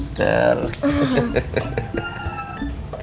tidur lagi ya